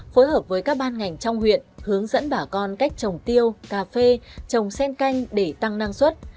phối hợp với các ban ngành trong huyện hướng dẫn bà con cách trồng tiêu cà phê trồng sen canh để tăng năng suất